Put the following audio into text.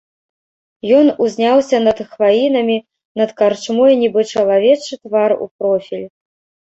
Ён узняўся над хваінамі, над карчмой, нібы чалавечы твар у профіль.